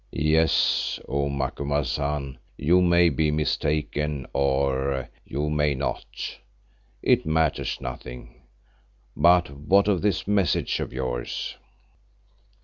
"Yes, O Macumazahn, you may be mistaken or—you may not. It matters nothing. But what of this message of yours?"